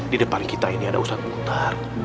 di depan kita ini ada ustadz ustadz